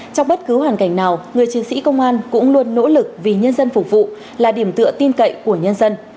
trong bất cứ hoàn cảnh nào người chiến sĩ công an cũng luôn nỗ lực vì nhân dân phục vụ là điểm tựa tin cậy của nhân dân